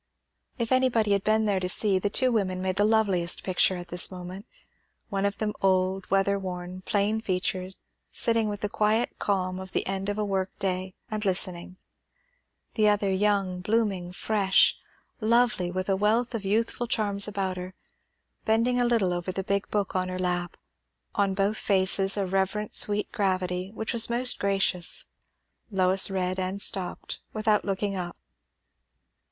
'" If anybody had been there to see, the two women made the loveliest picture at this moment. The one of them old, weather worn, plain featured, sitting with the quiet calm of the end of a work day and listening; the other young, blooming, fresh, lovely, with a wealth of youthful charms about her, bending a little over the big book on her lap; on both faces a reverent sweet gravity which was most gracious. Lois read and stopped, without looking up.